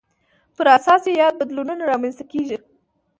پر اساس یې یاد بدلونونه رامنځته کېږي.